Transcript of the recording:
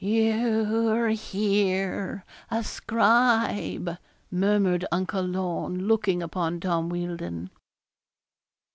'You're here, a scribe,' murmured Uncle Lorne, looking upon Tom Wealdon.